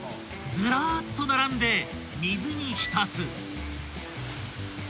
［ずらーっと並んで水に浸す］